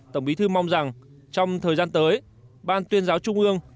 tổng bí thư mong rằng trong thời gian tới ban tuyên giáo trung ương